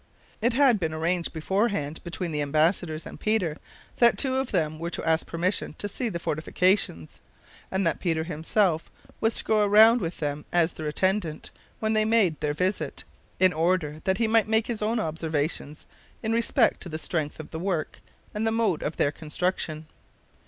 It had been arranged beforehand between the embassadors and Peter that two of them were to ask permission to see the fortifications, and that Peter himself was to go around with them as their attendant when they made their visit, in order that he might make his own observations in respect to the strength of the works and the mode of their construction.